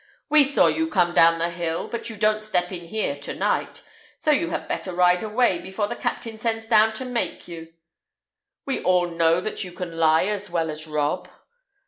"We saw you come down the hill, but you don't step in here to night; so you had better ride away, before the captain sends down to make you. We all know that you can lie as well as rob."